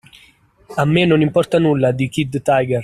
A me non importa nulla di Kid Tiger!